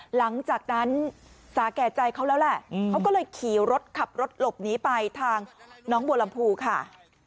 หลังจากนั้นสาแก่ใจเขาแล้วแหละเขาก็เลยขี่รถขับรถหลบหนีไปทางน้องบัวลำพูค่ะ